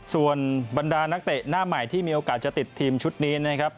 ส่วนบรรดานักเตะหน้าใหม่ที่มีโอกาสจะติดทีมชุดนี้นะครับ